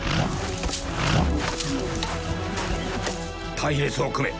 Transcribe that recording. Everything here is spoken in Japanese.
隊列を組め